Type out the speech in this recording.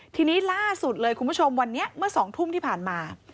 ทีนี้ล่าสุดเลยคุณผู้ชมวันนี้เมื่อ๒ทุ่มที่ผ่านมา